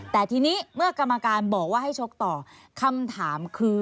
แต่ทีนี้เมื่อกรรมการบอกว่าให้ชกต่อคำถามคือ